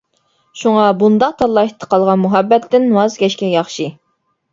شۇڭا بۇنداق تاللاشتا قالغان مۇھەببەتتىن ۋاز كەچكەن ياخشى.